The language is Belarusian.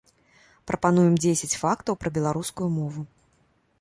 Прапануем дзесяць фактаў пра беларускую мову.